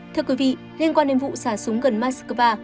thưa quý vị liên quan đến vụ xả súng gần moscow